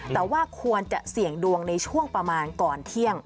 แต่ว่าควรจะเสี่ยงดวงในช่วงประมาณก่อนเที่ยง